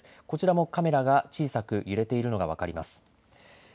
こちらもカメラが小さく揺れているのが分かります。